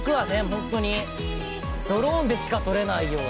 ホントにドローンでしか撮れないような」